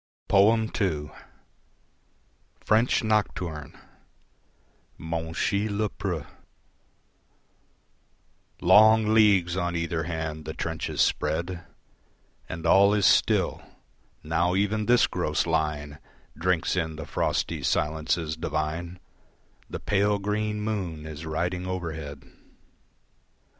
II. French Nocturne (Monchy Le Preux) Long leagues on either hand the trenches spread And all is still; now even this gross line Drinks in the frosty silences divine The pale, green moon is riding overhead.